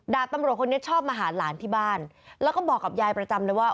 ตำรวจคนนี้ชอบมาหาหลานที่บ้านแล้วก็บอกกับยายประจำเลยว่า